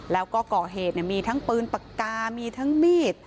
แล้วก็ก่อเหตุมีทั้งปืนปากกามีทั้งมีด